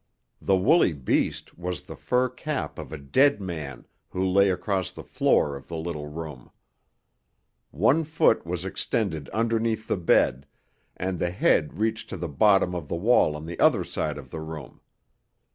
The woolly beast was the fur cap of a dead man who lay across the floor of the little room. One foot was extended underneath the bed, and the head reached to the bottom of the wall on the other side of the room.